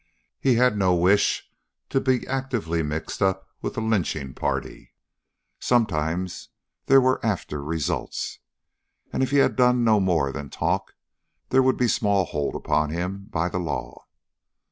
He had no wish to be actively mixed up with a lynching party. Sometimes there were after results. And if he had done no more than talk, there would be small hold upon him by the law.